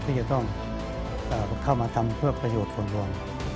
ที่จะต้องเข้ามาทำเพื่อประโยชน์ส่วนรวม